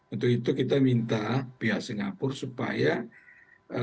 untuk itu kita minta pihak singapura supaya tidak lagi mengedarkan mata uang besar